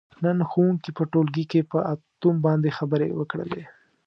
نن ښوونکي په ټولګي کې په اتوم باندې خبرې وکړلې.